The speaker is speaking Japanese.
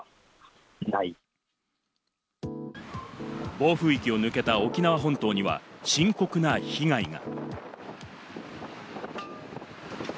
暴風域を抜けた沖縄本島には深刻な被害が。